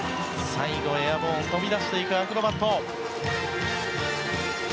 最後、エアボーン飛び出していくアクロバット！